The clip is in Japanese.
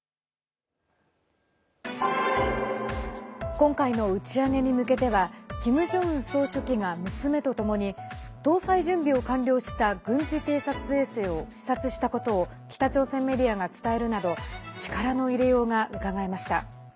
今回の打ち上げに向けてはキム・ジョンウン総書記が娘とともに搭載準備を完了した軍事偵察衛星を視察したことを北朝鮮メディアが伝えるなど力の入れようがうかがえました。